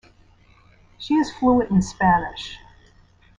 She is fluent in Spanish.